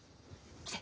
来て。